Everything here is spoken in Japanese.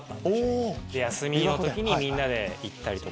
休みの時にみんなで行ったりとか。